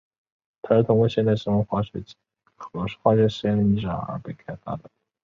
它是通过现代生物化学结合化学实验的逆转而被开发的。